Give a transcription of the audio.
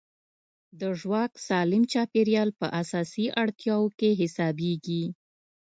د ژواک سالم چاپېریال په اساسي اړتیاوو کې حسابېږي.